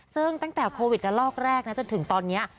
ซึ่งตั้งแต่โควิดระลอกแรกนะจนถึงตอนนี้